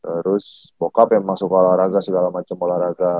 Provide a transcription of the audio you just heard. terus bokap memang suka olahraga segala macam olahraga